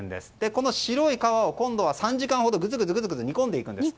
この白い皮を今度は３時間ほどぐつぐつと煮込んでいくんです。